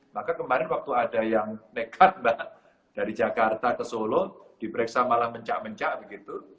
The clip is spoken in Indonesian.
maka kemarin waktu ada yang nekat mbak dari jakarta ke solo diperiksa malah mencak mencak begitu